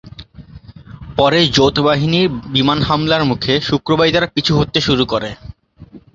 পরে জোট বাহিনীর বিমান হামলার মুখে শুক্রবারই তারা পিছু হটতে শুরু করে।